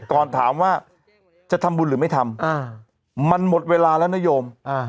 ก่อนถามว่าจะทำบุญหรือไม่ทำมันหมดเวลาแล้วนโยม